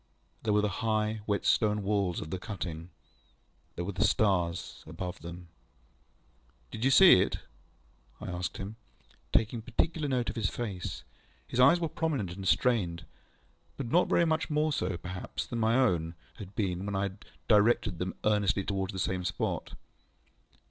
There were the high, wet stone walls of the cutting. There were the stars above them. ŌĆ£Do you see it? ŌĆØ I asked him, taking particular note of his face. His eyes were prominent and strained, but not very much more so, perhaps, than my own had been when I had directed them earnestly towards the same spot.